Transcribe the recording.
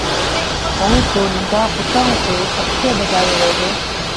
ائيٚݩ پو ننڍآݩ پُٽآݩ کي پٽڪو ٻڌآيو وهي دو